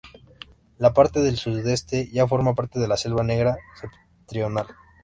La parte del sudeste ya forma parte de la Selva Negra septentrional.